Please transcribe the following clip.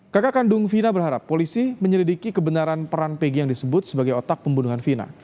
kakak kandung vina berharap polisi menyelidiki kebenaran peran pg yang disebut sebagai otak pembunuhan vina